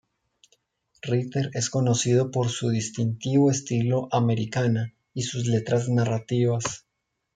Ritter es conocido por su distintivo estilo Americana y sus letras narrativas.